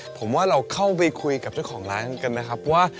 ผมว่าเราเข้าไปคุยกับเจ้าของร้านกันนะครับว่า